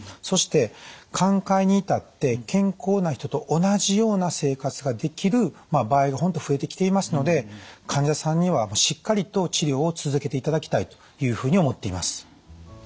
そして寛解に至って健康な人と同じような生活ができる場合が本当増えてきていますので患者さんにはしっかりと治療を続けていただきたいというふうに思っています。